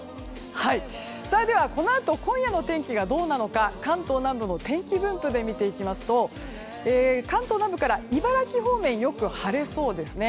このあと今夜の天気がどうなのか関東南部の天気分布で見ていきますと関東南部から茨城方面はよく晴れそうですね。